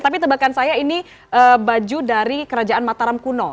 tapi tebakan saya ini baju dari kerajaan mataram kuno